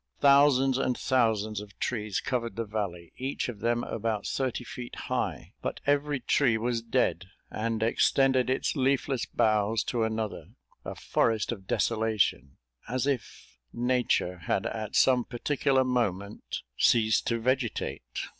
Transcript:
Thousands and thousands of trees covered the valley, each of them about thirty feet high; but every tree was dead, and extended its leafless boughs to another a forest of desolation, as if nature had at some particular moment ceased to vegetate!